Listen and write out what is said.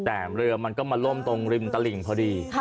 แต่เรือมันก็มาล่มตรงริมตลิ่งพอดี